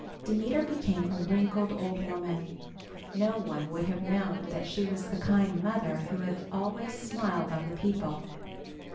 Demeter became a wrinkled old woman. No one would have known that she was the kind mother who had always smiled on the people.